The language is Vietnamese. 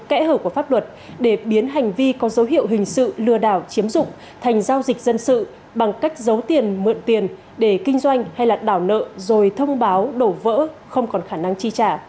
kẽ hở của pháp luật để biến hành vi có dấu hiệu hình sự lừa đảo chiếm dụng thành giao dịch dân sự bằng cách giấu tiền mượn tiền để kinh doanh hay đảo nợ rồi thông báo đổ vỡ không còn khả năng chi trả